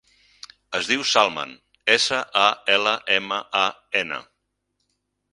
Es diu Salman: essa, a, ela, ema, a, ena.